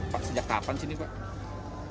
pak sejak kapan sini pak